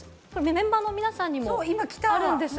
メンバーの皆さんにもあるんです。